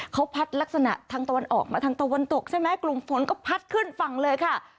เขาพัดลักษณะทางตะวันออกมาทางตะวันตกใช่ไหมกลุ่มฝนก็พัดขึ้นฝั่งเลยค่ะ